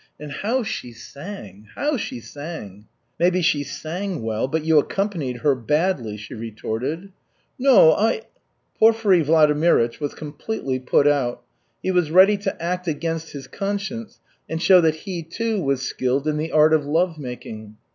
And how she sang, how she sang!" "Maybe she sang well, but you accompanied her badly," she retorted. "No, I " Porfiry Vladimirych was completely put out. He was ready to act against his conscience and show that he, too, was skilled in the art of love making.